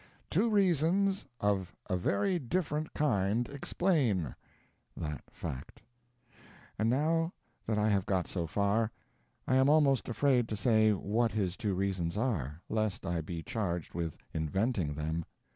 "Two reasons of a very different kind explain" that fact. And now that I have got so far, I am almost afraid to say what his two reasons are, lest I be charged with inventing them.